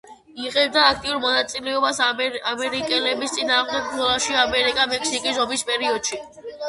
იღებდა აქტიურ მონაწილეობას ამერიკელების წინააღმდეგ ბრძოლაში ამერიკა-მექსიკის ომის პერიოდში.